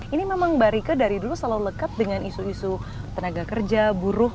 ini memang mbak rike dari dulu selalu lekat dengan isu isu tenaga kerja buruh